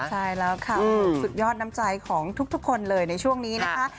ใช่แล้วค่ะสุดยอดน้ำใจของทุกคนเลยในช่วงนี้นะคะ